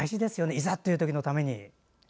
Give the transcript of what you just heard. いざというときのために。